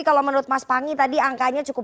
kalau menurut mas panggi tadi angkanya cukup